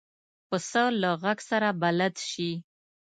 پسه له غږ سره بلد شي.